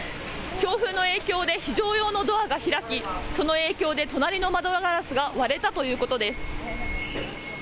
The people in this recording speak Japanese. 強風の影響で非常用のドアが開きその影響で隣の窓ガラスが割れたということです。